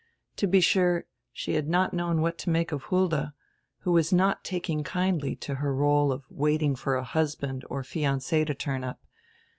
To be sure, she had not known what to make of Hulda, who was not taking kindly to her role of waiting for a husband or fiance to turn up.